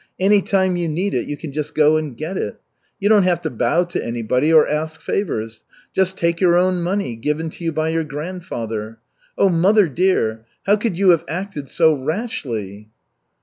Any time you need it you can just go and get it. You don't have to bow to anybody, or ask favors just take your own money, given to you by your grandfather. Oh, mother dear! How could you have acted so rashly?"